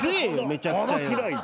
めちゃくちゃよ。